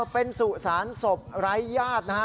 เป็นสุสานศพไร้ญาตินะฮะ